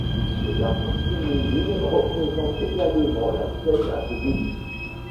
Des artistes féminines représentent également la scène à ses débuts.